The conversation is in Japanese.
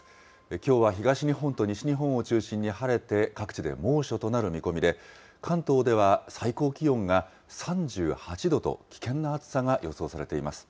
きょうは東日本と西日本を中心に晴れて、各地で猛暑となる見込みで、関東では最高気温が３８度と、危険な暑さが予想されています。